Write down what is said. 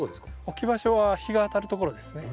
置き場所は日が当たるところですね。